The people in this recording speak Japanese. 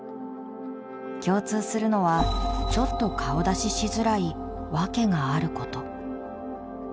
共通するのはちょっと顔出ししづらいワケがあること。